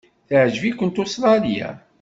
Teɛjeb-ikent Ustṛalya?